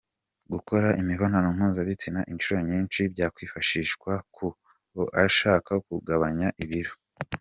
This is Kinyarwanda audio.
Gukora imibonano mpuzabitsina inshuro nyinshi byakwifashishwa ku bashaka kugabanya ibiro